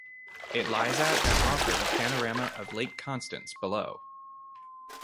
It lies at and offers a panorama of Lake Constance below.